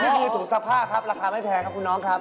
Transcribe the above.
นี่คือถุงซักผ้าครับราคาไม่แพงครับคุณน้องครับ